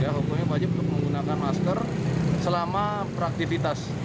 hukumnya wajib untuk menggunakan masker selama beraktivitas